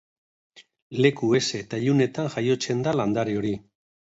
Leku heze eta ilunetan jaiotzen da landare hori.